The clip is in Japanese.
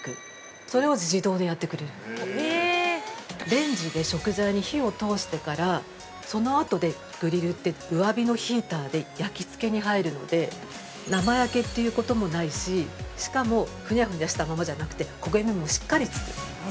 ◆レンジで食材に火を通してからそのあとでグリルって、上火のヒーターで、焼きつけに入るので、生焼けということもないし、しかもふにゃふにゃしたままじゃなくて、焦げ目もしっかりつく。